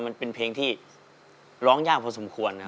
มันเป็นเพลงที่ร้องยากพอสมควรนะ